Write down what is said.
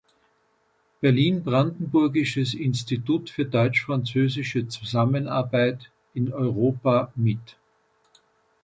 Berlin-Brandenburgisches Institut für Deutsch-Französische Zusammenarbeit in Europa" mit.